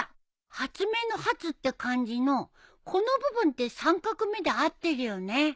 「発明」の「発」って漢字のこの部分って３画目で合ってるよね？